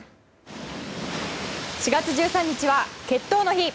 ４月１３日は決闘の日。